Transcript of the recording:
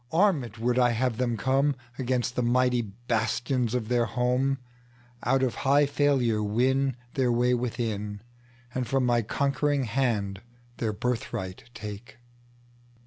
Armed would I have them comeAgainst the mighty bastions of their home; Out of high failure winTheir way within, And from my conquering hand their birthright take.